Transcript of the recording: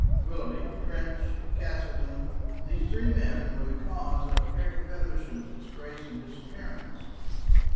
Willoughby, Trench, Castleton these three men were the cause of Harry Feversham's disgrace and disappearance.